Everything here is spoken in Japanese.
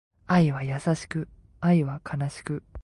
愛は優しく、愛は悲しく